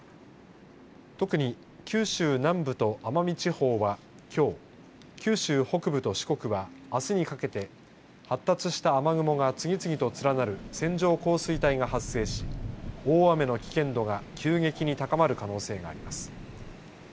特に九州南部と奄美地方はきょう、九州北部と四国はあすにかけて発達した雨雲が次々と連なる線状降水帯が発生し大雨の危険度が急激に高まる可能性があります。